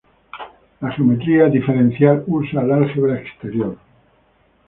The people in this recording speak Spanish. La geometría diferencial usa el álgebra exterior.